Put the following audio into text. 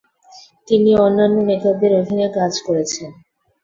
তিনি অন্যান্য নেতাদের অধীনে কাজ করেছেন।